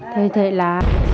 thế thế là